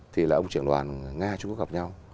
thì là ông trưởng đoàn nga chúng có gặp nhau